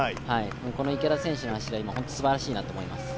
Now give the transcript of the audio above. この池田選手の走りは本当にすばらしいなと思います。